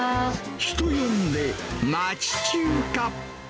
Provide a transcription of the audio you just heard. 人呼んで町中華。